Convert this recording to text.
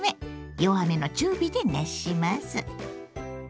弱めの中火で熱します。